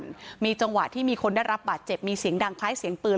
มันมีจังหวะที่มีคนได้รับบาดเจ็บมีเสียงดังคล้ายเสียงปืน